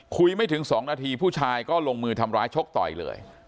ไม่ถึง๒นาทีผู้ชายก็ลงมือทำร้ายชกต่อยเลย